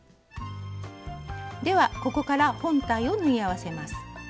ではここから本体を縫い合わせます。